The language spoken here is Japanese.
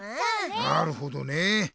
なるほどねえ。